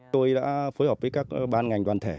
tôi đã phối hợp với các ban ngành đoàn thể